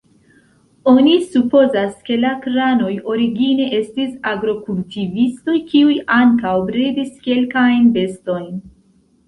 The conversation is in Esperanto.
Oni supozas, ke la kranoj origine estis agrokultivistoj, kiuj ankaŭ bredis kelkajn bestojn.